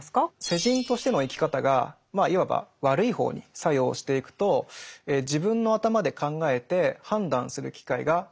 世人としての生き方がまあいわば悪い方に作用していくと自分の頭で考えて判断する機会が失われてしまいます。